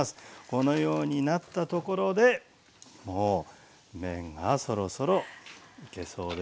このようになったところでもう麺がそろそろいけそうですよね。